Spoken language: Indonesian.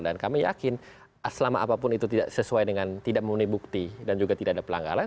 dan kami yakin selama apapun itu tidak sesuai dengan tidak memenuhi bukti dan juga tidak ada pelanggaran